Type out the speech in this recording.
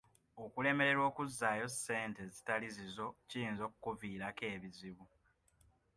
Okulemererwa okuzzaayo ssente ezitali zizo kiyinza okkuviirako ebizibu.